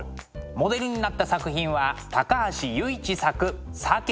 モデルになった作品は高橋由一作「鮭」です。